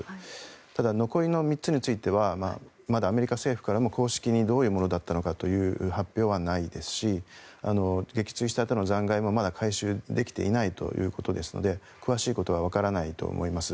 ただ残りの３つについてはまだアメリカ政府からも公式にどういうものだったのかという発表はないですし撃墜したあとの残骸も回収できていないということですので詳しいことはわからないと思います。